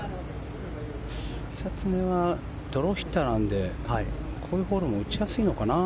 久常はドローヒッターなのでこういうホールも打ちやすいのかな。